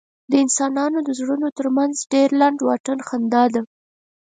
د انسانانو د زړونو تر منځ ډېر لنډ واټن خندا ده.